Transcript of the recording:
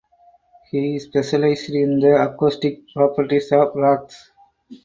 He specialised in the acoustic properties of rocks.